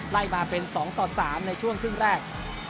ไล่มาเป็น๒ต่อ๓ในช่วงครึ่งแรก